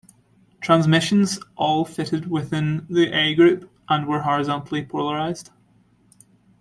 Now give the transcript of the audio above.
Transmissions all fitted within the A group and were horizontally polarised.